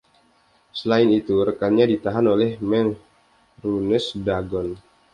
Selain itu, rekannya ditahan oleh Mehrunes Dagon.